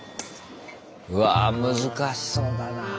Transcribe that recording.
うわあ難しそうだなぁ。